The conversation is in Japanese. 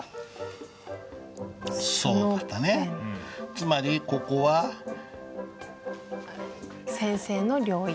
つまりここは？先生の領域。